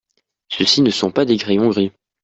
Ceux-ci ne sont pas des crayons gris.